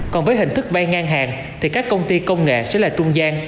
còn với hình thức vay ngang hàng thì các công ty công nghệ sẽ là trung gian